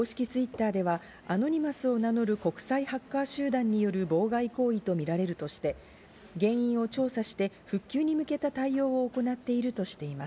区の公式Ｔｗｉｔｔｅｒではアノニマスを名乗る国際ハッカー集団による妨害行為と見られるとして、原因を調査して復旧に向けた対応を行っているとしています。